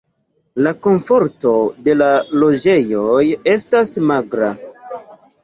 La komforto de la loĝejoj estas magra.